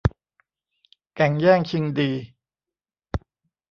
แก่งแย่งชิงดี